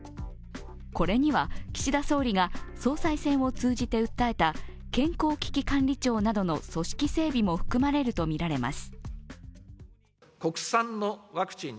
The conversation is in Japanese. これには岸田総理が総裁選を通じて訴えた健康危機管理庁などの組織整備も含まれるとみられます。